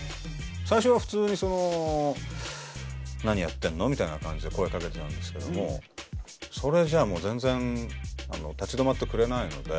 最初は普通にその「何やってんの？」みたいな感じで声かけてたんですけどもそれじゃあもう全然立ち止まってくれないので。